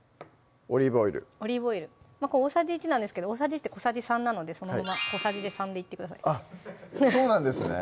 オリーブオイル大さじ１なんですけど大さじって小さじ３なのでそのまま小さじで３でいってくださいそうなんですね